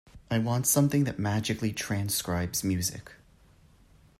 I want something that magically transcribes music.